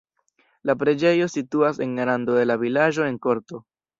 La preĝejo situas en rando de la vilaĝo en korto.